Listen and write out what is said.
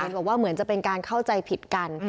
แต่มีการเข้าใจผิดกัน